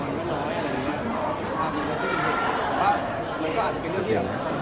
นอนก็ร้อยอะไรแบบนี้มันก็อาจจะเป็นอย่างเดียว